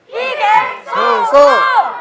พี่เกมสู้